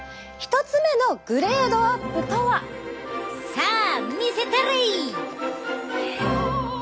さあ見せたれい！